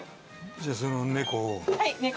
じゃあその猫。